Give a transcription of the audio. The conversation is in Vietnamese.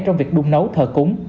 trong việc đun nấu thợ cúng